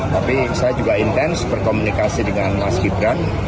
tapi saya juga intens berkomunikasi dengan mas gibran